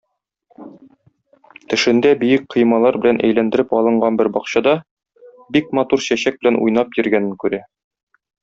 Төшендә биек коймалар белән әйләндереп алынган бер бакчада бик матур чәчәк белән уйнап йөргәнен күрә.